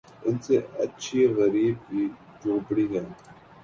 ان سے اچھی غریبِ کی جھونپڑی ہے